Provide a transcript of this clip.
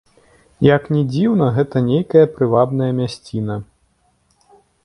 Як ні дзіўна, гэта нейкая прывабная мясціна.